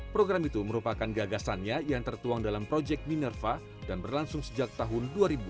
program itu merupakan gagasannya yang tertuang dalam proyek minerva dan berlangsung sejak tahun dua ribu dua